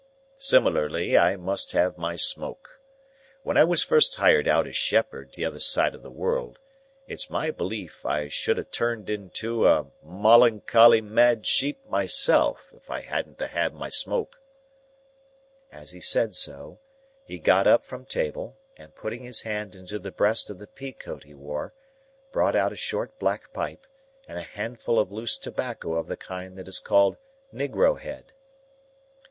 Similarly, I must have my smoke. When I was first hired out as shepherd t'other side the world, it's my belief I should ha' turned into a molloncolly mad sheep myself, if I hadn't a had my smoke." As he said so, he got up from table, and putting his hand into the breast of the pea coat he wore, brought out a short black pipe, and a handful of loose tobacco of the kind that is called Negro head.